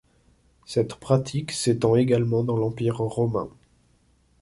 Cette pratique s'étend également dans l'Empire romain.